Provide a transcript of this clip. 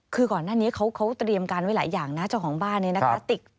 คือก่อนหน้านี้เขาเตรียมการไว้หลายอย่างนะเจ้าของบ้านนี้นะคะ